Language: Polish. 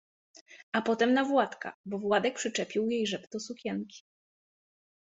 A potem na Władka, bo Władek przyczepił jej rzep do sukienki.